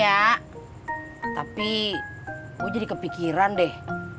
ya tapi gue jadi kepikiran deh